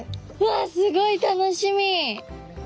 わあすごい楽しみ！